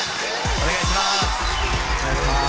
お願いしまーす